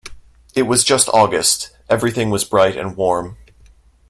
It was just August; everything was bright and warm.